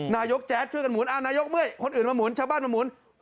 นายกแจ๊ดช่วยกันหมุนนายกเมื่อยคนอื่นมาหมุนชาวบ้านมาหมุน